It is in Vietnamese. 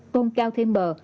tôn cao thêm bờ